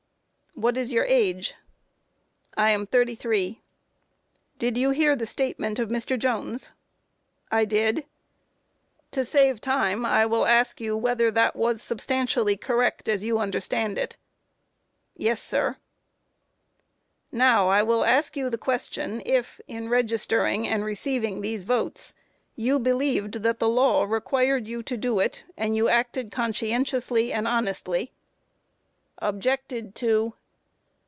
Q. What is your age? A. I am 33. Q. Did you hear the statement of Mr. Jones? A. I did. Q. To save time, I will ask you whether that was substantially correct as you understand it? A. Yes, sir. Q. Now, I will ask you the question if, in registering and receiving these votes, you believed that the law required you to do it, and you acted conscientiously and honestly? Objected to.